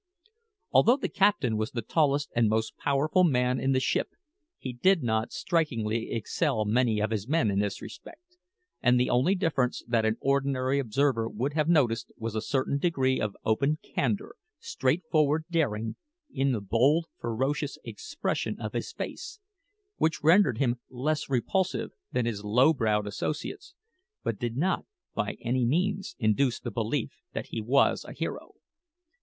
Although the captain was the tallest and most powerful man in the ship, he did not strikingly excel many of his men in this respect; and the only difference that an ordinary observer would have noticed was a certain degree of open candour, straightforward daring, in the bold, ferocious expression of his face, which rendered him less repulsive than his low browed associates, but did not by any means induce the belief that he was a hero.